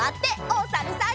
おさるさん。